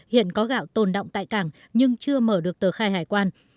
hiện có gạo tồn động tại cảng nhưng chưa mở được tờ khai hải quan